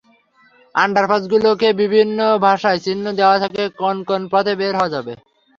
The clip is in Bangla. আন্ডারপাসগুলোতে বিভিন্ন ভাষায় চিহ্ন দেওয়া থাকে কোন পথে বের হওয়া যাবে।